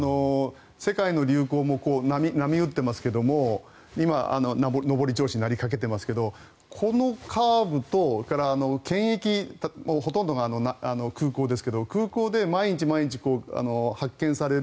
世界の流行も波打ってますけど今、上り調子になりかけていますがこのカーブと検疫、ほとんどが空港ですけど空港で毎日毎日発見される